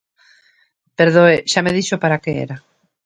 Perdoe, xa me dixo para que era.